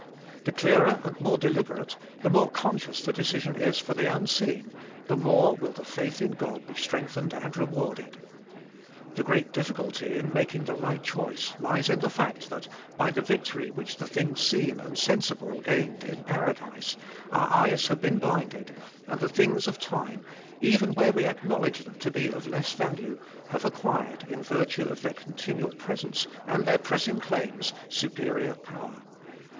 The clearer and more deliberate, the more conscious the decision is for the unseen, the more will the faith in God be strengthened and rewarded. The great difficulty in making the right choice lies in the fact that, by the victory which things seen and sensible gained in paradise, our eyes have been blinded, and the things of time, even where we acknowledge them to be of less value, have acquired, in virtue of their continual presence and their pressing claims, superior power.